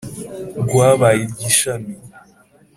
rwabaye igishami